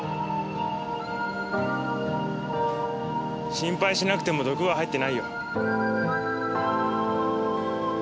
心配しなくても毒は入ってないよ。